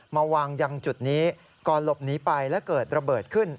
มาวางยังจุดนี้ก่อนหลบหนีไปและเกิดระเบิดขึ้น